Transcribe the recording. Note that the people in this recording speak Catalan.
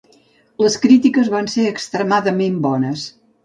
Les crítiques van ser extremadament bones.